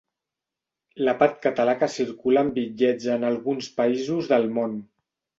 L'àpat català que circula en bitllets en alguns països del món.